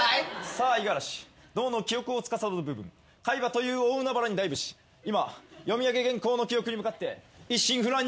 さあイガラシ脳の記憶をつかさどる部分海馬という大海原にダイブし今読み上げ原稿の記憶に向かって一心不乱に泳いでおります。